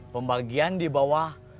pembagian di bawah